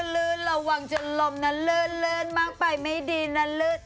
ลืนระหว่างจะล้มนั้นลืนมังไปไม่ดีนะลึด